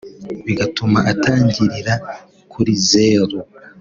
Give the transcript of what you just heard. bigatuma atangirira kuri zeru